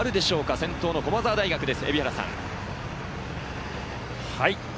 先頭、駒澤大学です。